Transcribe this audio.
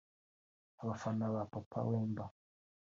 Abafana ba Papa Wemba